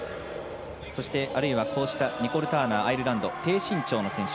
そして、あるいはこうしたニコール・ターナーアイルランド、低身長の選手。